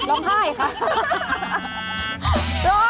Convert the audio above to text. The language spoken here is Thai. ร้องไห้ค่ะ